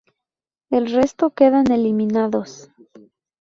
El resto quedan eliminados.